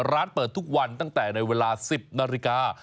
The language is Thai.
ร้านเปิดทุกวันตั้งแต่ในเวลา๑๐นาฬิกา